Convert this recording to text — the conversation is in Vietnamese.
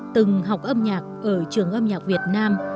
từng học âm nhạc ở trường âm nhạc việt nam